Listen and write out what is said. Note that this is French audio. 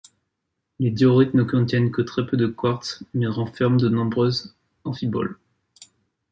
Les diorites ne contiennent que très peu de quartz mais renferment de nombreuses amphiboles.